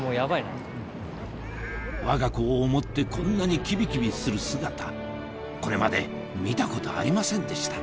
わが子を思ってこんなにきびきびする姿これまで見たことありませんでした